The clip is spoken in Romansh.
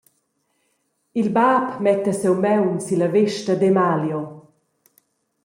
Il bab metta siu maun silla vesta d’Emalio.